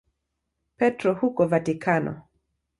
Petro huko Vatikano.